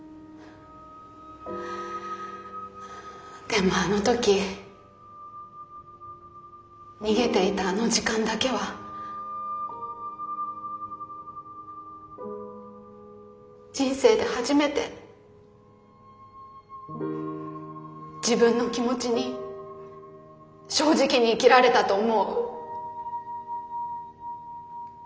でもあの時逃げていたあの時間だけは人生で初めて自分の気持ちに正直に生きられたと思う。